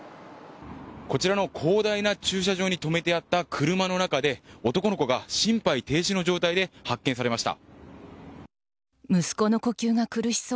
こちらの広大な駐車場に止めてあった車の中で男の子が心肺停止の状態で発見されました。